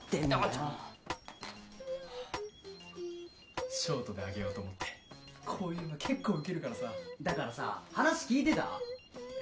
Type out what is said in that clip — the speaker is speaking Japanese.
ちょっショートであげようと思ってこういうの結構ウケるからさだからさ話聞いてた⁉えっ？